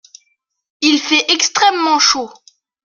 Il fait extrêmement chaud.